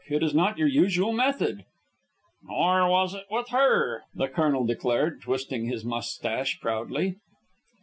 It is not your usual method." "Nor was it with her," the colonel declared, twisting his moustache proudly.